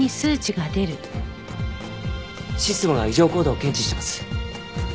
システムが異常行動を検知してます。